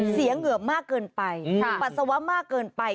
เหงื่อมากเกินไปปัสสาวะมากเกินไป